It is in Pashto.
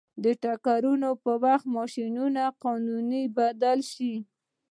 د ټکرونو په وخت د موشن قانونونه بدل شي.